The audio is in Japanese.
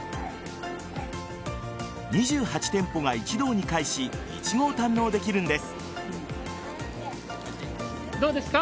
２８店舗が一堂に会しイチゴを堪能できるんです。